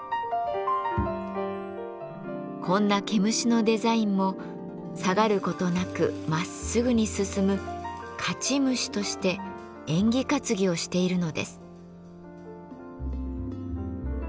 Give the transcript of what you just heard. こんな毛虫のデザインも下がる事なくまっすぐに進む勝ち虫として縁起担ぎをしているのです。